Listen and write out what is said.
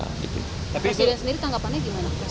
presiden sendiri tanggapannya gimana